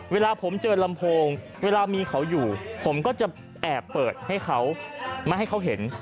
เวลาผมเจอลำโพงเวลามีเขาอยู่ผมก็จะแอบเปิดให้เขาไม่ให้เขาเห็น